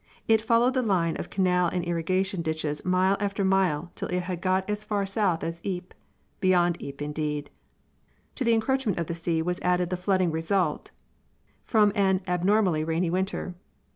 It followed the lines of canal and irrigation ditches mile after mile till it had got as far south as Ypres, beyond Ypres indeed. To the encroachment of the sea was added the flooding resulting from an abnormally rainy winter.